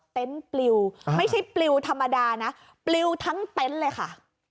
ปลิวไม่ใช่ปลิวธรรมดานะปลิวทั้งเต็นต์เลยค่ะ